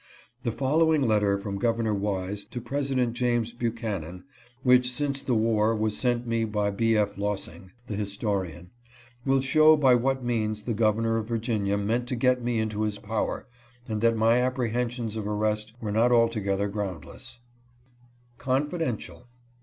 The following letter from Governor Wise to President James Buchanan (which since the war was sent me by B. F. Lossing, the historian), will show by what means the governor of Virginia meant to get me into his power, and that my apprehensions of arrest were not altogether groundless : [Confidential.